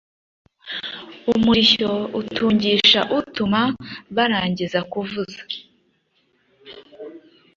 Umurishyo utungisha Utuma barangiza kuvuza